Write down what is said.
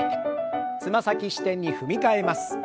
つま先支点に踏み替えます。